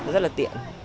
rất là tiện